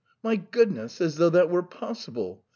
"My goodness, as though that were possible!"